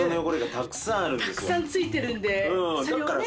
たくさんついてるんでそれをね